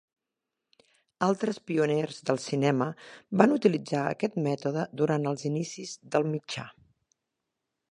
Altres pioners del cinema van utilitzar aquest mètode durant els inicis del mitjà.